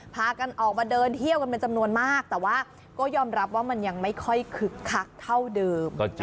พากันออกมาเดินเที่ยวกันเป็นจำนวนมากแต่ว่าก็ยอมรับว่ามันยังไม่ค่อยคึกคักเท่าเดิม